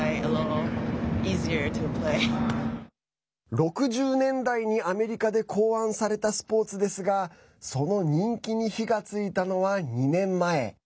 ６０年代にアメリカで考案されたスポーツですがその人気に火がついたのは２年前。